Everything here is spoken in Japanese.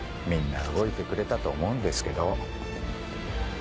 みんな動いてくれたと思うんですけど。